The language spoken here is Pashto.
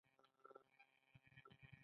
چې څنګه میوه پخیږي.